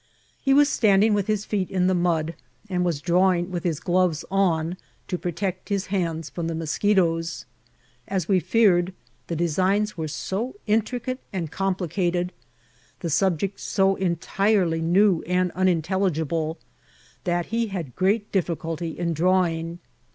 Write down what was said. He was standing with his feet in the mud, and was drawing with his gloves on, to protect his hands from the moschetoes. As we feared, the desigw were so intricate and eompUcated, the subjects so en * tirely new and unintelligible, that he had great diffi culty in drawing.